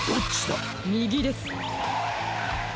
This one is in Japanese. みぎです。